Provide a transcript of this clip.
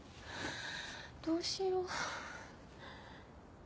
どうしよう。